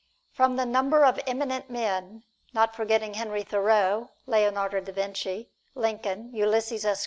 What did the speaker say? From the number of eminent men, not forgetting Henry Thoreau, Leonardo da Vinci, Lincoln, Ulysses S.